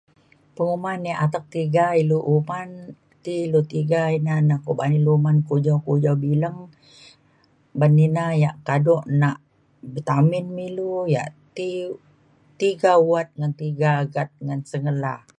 penguman ia' atek tiga ilu uman ti ilu tiga ina na kuba'an ilu kuman kujau kujau bileng ban ina ia' kado nak vitamin me ilu ia' ti tiga wat ngan tiga agat ngan sengela